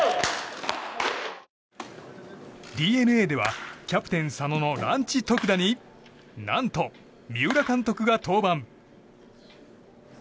ＤｅＮＡではキャプテン佐野のランチ特打に何と、三浦監督が登板。